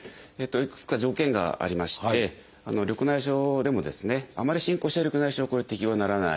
いくつか条件がありまして緑内障でもあまり進行してる緑内障は適用にならない。